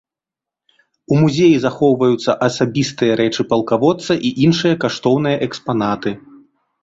У музеі захоўваюцца асабістыя рэчы палкаводца і іншыя каштоўныя экспанаты.